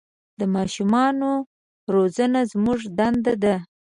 د ماشومان روزنه زموږ دنده ده.